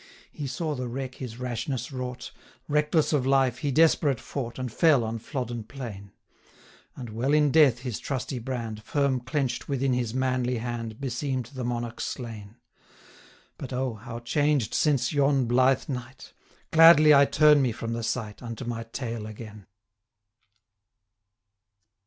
He saw the wreck his rashness wrought; Reckless of life, he desperate fought, 1080 And fell on Flodden plain: And well in death his trusty brand, Firm clench'd within his manly hand, Beseem'd the monarch slain. But, O! how changed since yon blithe night! 1085 Gladly I turn me from the sight, Unto my tale again.